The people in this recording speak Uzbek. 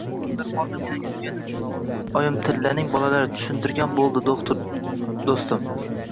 Bular hozirgina ko`rganing oyimtillaning bolalari, tushuntirgan bo`ldi do`xtir do`stim